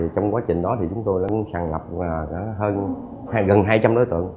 trong quá trình đó thì chúng tôi đã sàn gặp gần hai trăm linh đối tượng